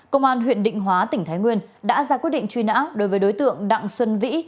công an huyện định hóa tỉnh thái nguyên đã ra quyết định truy nã đối với đối tượng đặng xuân vĩ